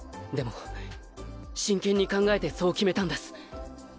でも真剣に考えてそう決めたんです。